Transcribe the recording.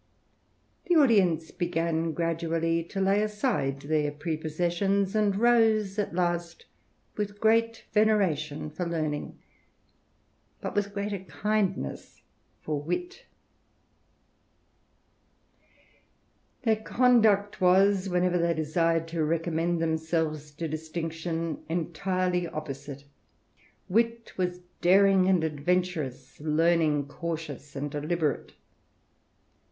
The mce began gradually to lay aside their prepossessions, I lose, at last, with great veneration for Learning, but It greater kindness for Wit, Their conduct was, whenever they desired to recommend themselves to distinction, entirely opposite. Wii ^*a HBa lose ^^hhgrei i 44 THE RAMBLER, daring and adventurous ; Learning cautious and deliberate.